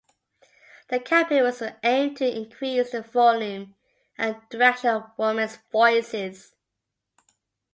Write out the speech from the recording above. The campaign was aimed to increase the volume and direction of women's voices.